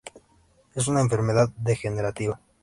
Es una enfermedad degenerativa.